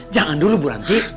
jangan dulu buranti